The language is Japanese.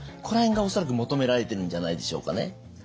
この辺が恐らく求められてるんじゃないでしょうかね。